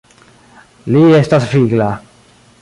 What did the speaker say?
Li estas vigla.